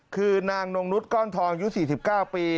คือนางนุ่งนุษย์ก้อนทองยุทธิ์๔๙ปี